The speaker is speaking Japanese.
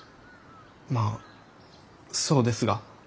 まあそうですが。